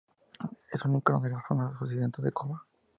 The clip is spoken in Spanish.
Es un ícono de la zona occidental de Cuba.